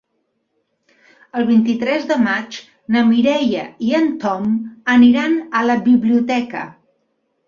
El vint-i-tres de maig na Mireia i en Tom aniran a la biblioteca.